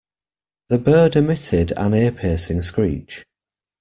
The bird emitted an ear-piercing screech.